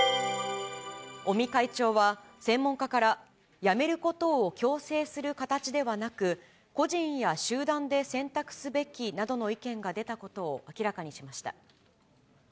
尾身会長は、専門家からやめることを強制する形ではなく、個人や集団で選択すべきなどの意見が出たことを明らかにしました。